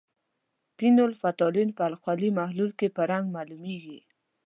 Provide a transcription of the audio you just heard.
فینول فتالین په القلي محلول کې په رنګ معلومیږي.